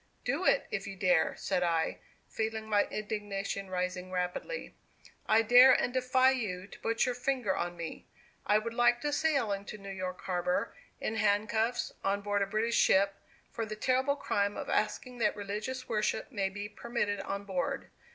"Do it, if you dare," said I, feeling my indignation rising rapidly. "I dare and defy you to put your finger on me. I would like to sail into New York Harbor in handcuffs, on board a British ship, for the terrible crime of asking that religious worship may be permitted on board.